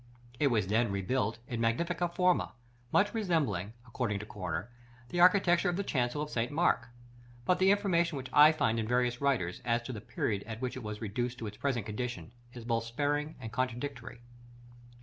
It was then rebuilt in "magnifica forma," much resembling, according to Corner, the architecture of the chancel of St. Mark; but the information which I find in various writers, as to the period at which it was reduced to its present condition, is both sparing and contradictory.